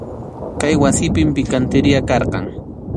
Kay wasipim pikantiriya karqan.